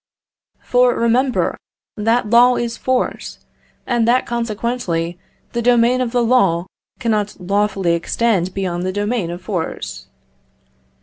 For, remember, that law is force, and that consequently the domain of the law cannot lawfully extend beyond the domain of force.